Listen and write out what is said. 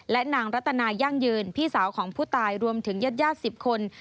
และนางรัตนายั่งยืนพี่สาวของผู้ตายรวมถึงญาติ๑๐คน